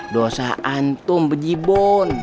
dosa antum bejibun